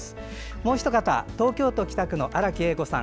もうひと方、東京都北区の荒木栄子さん。